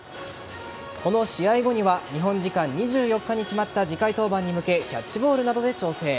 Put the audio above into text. この試合後には日本時間２４日に決まった次回登板に向けキャッチボールなどで調整。